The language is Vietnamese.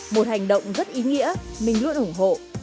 một hành động rất ý nghĩa mình luôn ủng hộ